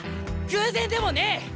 偶然でもねえ。